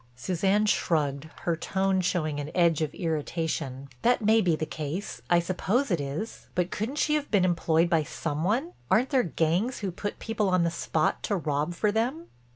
Suzanne shrugged, her tone showing an edge of irritation: "That may be the case, I suppose it is. But couldn't she have been employed by some one—aren't there gangs who put people on the spot to rob for them?"